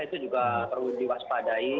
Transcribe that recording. itu juga perlu diwaspadai